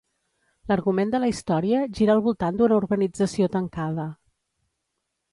L'argument de la història gira al voltant d'una urbanització tancada.